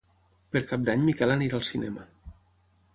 Per Cap d'Any en Miquel irà al cinema.